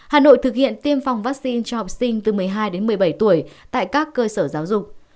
hà nội thực hiện tiêm phòng vaccine cho học sinh từ một mươi hai đến một mươi bảy tuổi tại các cơ sở giáo dục